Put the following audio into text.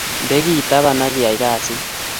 ndekei tapan akiyai kasit